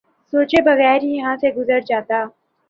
سوچے بغیر ہی یہاں سے گزر جاتا